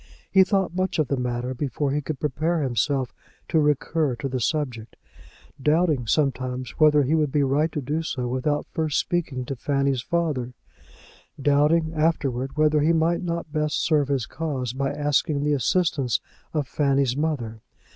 He thought much of the matter before he could prepare himself to recur to the subject; doubting, sometimes, whether he would be right to do so without first speaking to Fanny's father; doubting, afterwards, whether he might not best serve his cause by asking the assistance of Fanny's mother.